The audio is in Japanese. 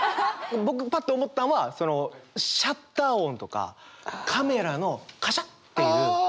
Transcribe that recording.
僕パッて思ったんはそのシャッター音とかカメラのカシャっていう。